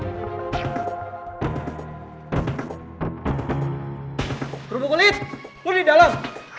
terubuk kulit lu di dalam